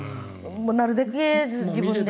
なるたけ自分で。